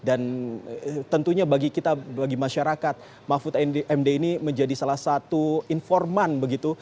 dan tentunya bagi kita bagi masyarakat mahfud md ini menjadi salah satu informan begitu